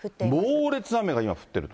猛烈な雨が今、降っている。